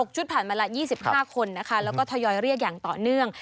ชุดผ่านมาละ๒๕คนนะคะแล้วก็ทยอยเรียกอย่างต่อเนื่อง